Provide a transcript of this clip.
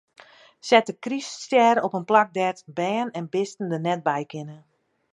Set de kryststjer op in plak dêr't bern en bisten der net by kinne.